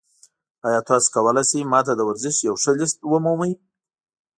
ایا تاسو کولی شئ ما ته د ورزش یو ښه لیست ومومئ؟